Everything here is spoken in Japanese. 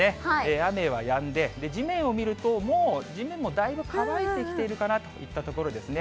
雨はやんで、地面を見ると、もう地面もだいぶ乾いてきてるかなといったところですね。